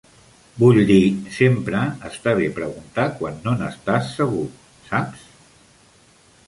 Vull dir, sempre està bé preguntar quan no n'estàs segur, saps?